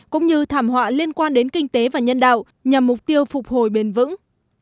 cũng như thảm họa liên quan đến kinh tế và nhân đạo nhằm mục tiêu phục hồi bền vững